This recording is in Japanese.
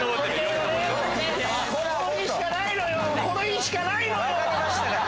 この日しかないのよ。